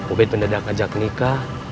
opet bendedang ajak nikah